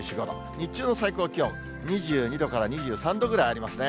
日中の最高気温、２２度から２３度ぐらいありますね。